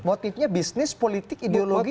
motifnya bisnis politik ideologi